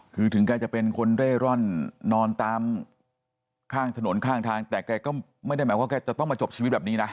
คือถึงแกจะเป็นคนเร่ร่อนนอนตามข้างถนนข้างทางแต่แกก็ไม่ได้หมายว่าแกจะต้องมาจบชีวิตแบบนี้นะ